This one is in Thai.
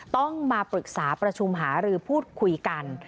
ต้องมาปรึกษาประชุมหารือพูดคุยกัน